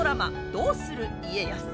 「どうする家康」。